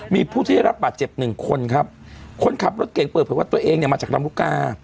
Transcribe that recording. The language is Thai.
มีผู้ที่ได้รับบาดเจ็บหนึ่งคนครับคนขับรถเก่งเปิดเผยว่าตัวเองเนี่ยมาจากลำลูกกา